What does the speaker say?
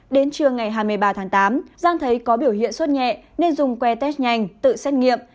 đến trưa ngày hai mươi ba tháng tám giang thấy có biểu hiện suốt nhẹ nên dùng que test nhanh tự xét nghiệm